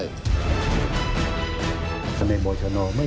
มีความรู้สึกว่ามีความรู้สึกว่า